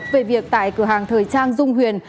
về việc tại cửa hàng thời trang dung huyền